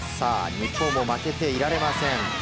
日本も負けていられません。